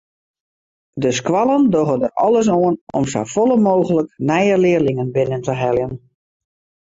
De skoallen dogge der alles oan om safolle mooglik nije learlingen binnen te heljen.